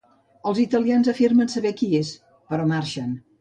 Els italians afirmen saber qui és però marxen.